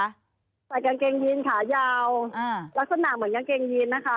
ใส่กางเกงยีนขายาวลักษณะเหมือนกางเกงยีนนะคะ